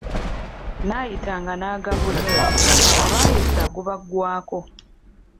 Nnaayitanga n’agabula, abayiisa gubaggwako.